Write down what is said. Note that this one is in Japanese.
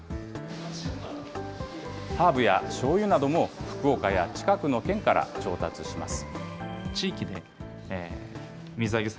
ハーブやしょうゆなども、福岡や近くの県から調達します。